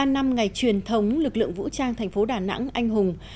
bảy mươi năm năm ngày truyền thống lực lượng vũ trang thành phố đà nẵng anh hùng